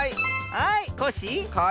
はいコッシー。